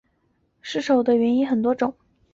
特诺奇蒂特兰失守的原因有多种。